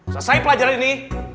selesai pelajaran ini